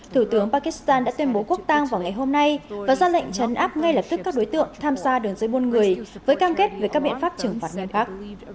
thủ tướng pakistan đã tuyên bố quốc tang vào ngày hôm nay và ra lệnh trấn áp ngay lập tức các đối tượng tham gia đường dây buôn người với cam kết về các biện pháp trừng phạt nhanh khác